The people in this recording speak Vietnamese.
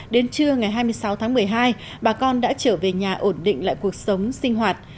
đến trưa ngày hai mươi sáu tháng một mươi hai bà con đã trở về nhà ổn định lại cuộc sống sinh hoạt